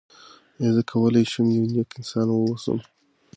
آیا زه کولی شم یو نېک انسان واوسم؟